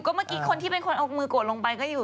เมื่อกี้คนที่เป็นคนเอามือกดลงไปก็อยู่